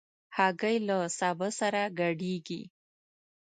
هګۍ له سابه سره ګډېږي.